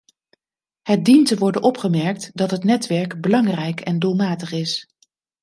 Het dient te worden opgemerkt dat het netwerk belangrijk en doelmatig is.